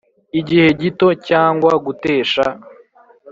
igihe gito cyangwa gutesha